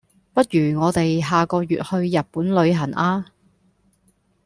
不如我地下個月去日本旅行呀